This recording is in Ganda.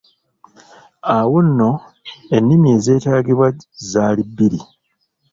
Awo nno ennimi ezeetaagibwanga zaali bbiri.